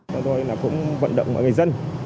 tôi nói là cũng vận động mọi người dân